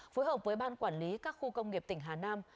phối hợp với ban quản lý các khu công nghiệp tỉnh hà nam